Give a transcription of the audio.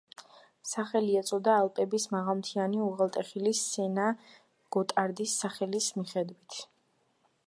სახელი ეწოდა ალპების მაღალმთიანი უღელტეხილის სენ-გოტარდის სახელის მიხედვით.